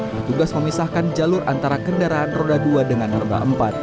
petugas memisahkan jalur antara kendaraan roda dua dengan roda empat